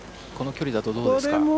この距離だとどうですか？